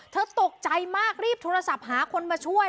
ตกใจมากรีบโทรศัพท์หาคนมาช่วย